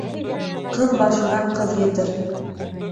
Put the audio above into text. Ҡыҙ башына ҡыҙ етер.